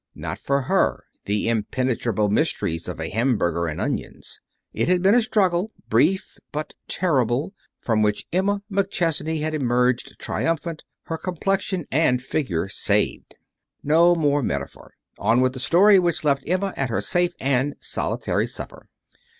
Not for her the impenetrable mysteries of a hamburger and onions. It had been a struggle, brief but terrible, from which Emma McChesney had emerged triumphant, her complexion and figure saved. No more metaphor. On with the story, which left Emma at her safe and solitary supper.